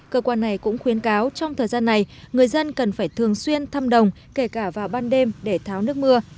cơ quan này cũng khuyến cáo trong thời gian này người dân cần phải thường xuyên thăm đồng kể cả vào ban đêm để tháo nước mưa